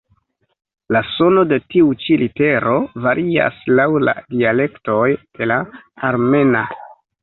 La sono de tiu ĉi litero varias laŭ la dialektoj de la armena.